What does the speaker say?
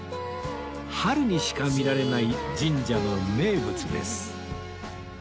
春にしか見られない神社の名物です